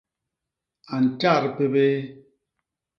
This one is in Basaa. A ntjat pébéé.